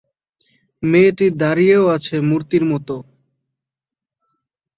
মেয়েটি দাঁড়িয়েও আছে মূর্তির মতো।